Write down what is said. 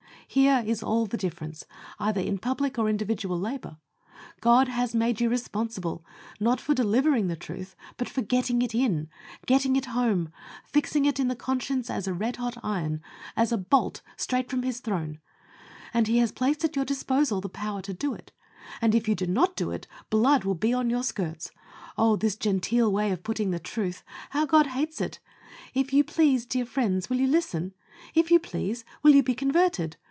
Here is all the difference, either in public or individual labor. God has made you responsible, not for delivering the truth, but for GETTING IT IN getting it home, fixing it in the conscience as a red hot iron, as a bolt, straight from His throne; and He has placed at your disposal the power to do it, and if you do not do it, blood will be on your skirts! Oh! this genteel way of putting the truth! How God hates it! "If you please, dear friends, will you listen? If you please, will you be converted?